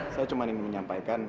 saya cuma ingin menyampaikan